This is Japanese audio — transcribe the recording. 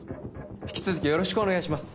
引き続きよろしくお願いします